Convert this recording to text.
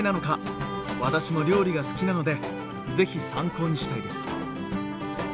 私も料理が好きなのでぜひ参考にしたいです。